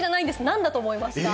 何だと思いますか？